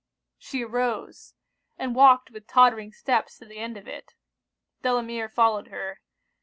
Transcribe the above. She arose, and walked with tottering steps to the end of it. Delamere followed her.